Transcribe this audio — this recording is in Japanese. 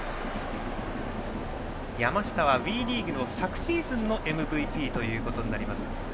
山下はＷＥリーグの昨シーズンのＭＶＰということになります。